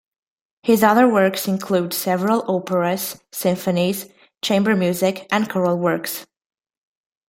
His other works include several operas, symphonies, chamber music, and choral works.